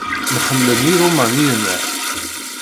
Mxellen Yirumaniyen-a!